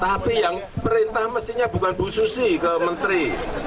tapi yang perintah mestinya bukan bu susi ke menteri